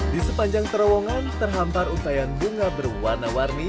di sepanjang terowongan terhampar untayan bunga berwarna warni